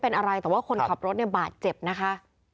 เป็นอะไรแต่ว่าคนขับรถเนี่ยบาดเจ็บนะคะ